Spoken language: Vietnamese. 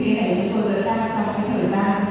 thì cái này chúng tôi đã cho một cái thời gian